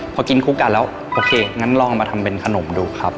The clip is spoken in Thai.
พอกินคู่กันแล้วโอเคงั้นลองมาทำเป็นขนมดูครับ